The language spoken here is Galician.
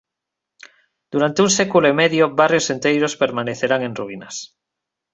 Durante un século e medio barrios enteiros permanecerán en ruínas.